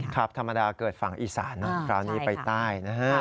ครับธรรมดาเกิดฝั่งอีสานนะคราวนี้ไปใต้นะฮะ